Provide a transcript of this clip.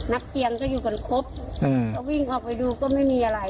นักเรียนก็อยู่กันครบก็วิ่งออกไปดูก็ไม่มีอะไร